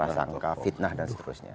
rasa angka fitnah dan seterusnya